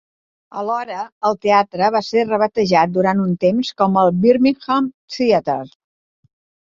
Alhora, el teatre va ser rebatejat durant un temps com el "Birmingham Theatre".